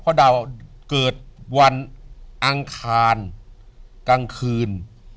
เพราะดาวเกิดวันอังคารกลางคืน